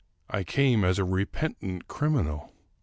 I came as a repentant criminal.